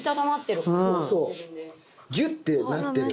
ギュってなってる。